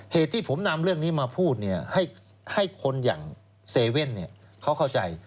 เหตุที่ผมนำเรื่องนี้มาพูดให้คนอย่างเซเว่นเขาเข้าใจ